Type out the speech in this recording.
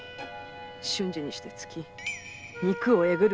瞬時にして突き肉を抉る。